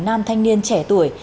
nam thanh niên trẻ tuổi